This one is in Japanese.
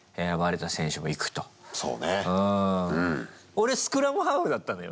俺スクラムハーフだったのよ。